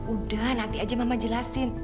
udah nanti aja mama jelasin